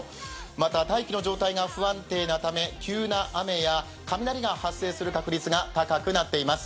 また大気の状態が不安定なため急な雨や雷が発生する確率が高くなっています。